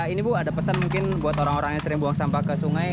ini bu ada pesan mungkin buat orang orang yang sering buang sampah ke sungai